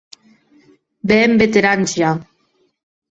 Be èm veterans ja!.